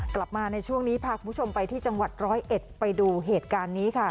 กลับมาในช่วงนี้พาคุณผู้ชมไปที่จังหวัดร้อยเอ็ดไปดูเหตุการณ์นี้ค่ะ